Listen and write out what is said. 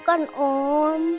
aku nggak mau makan ini